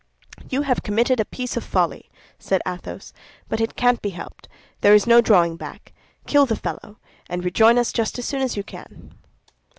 "You have committed a piece of folly," said Athos, "but it can't be helped; there is no drawing back. Kill the fellow, and rejoin us as soon as you can."